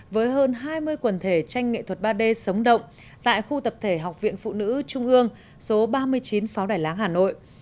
với hơn hai mươi quần thể tranh nghệ thuật ba d sống động tại khu tập thể học viện phụ nữ trung ương số ba mươi chín pháo đài láng hà nội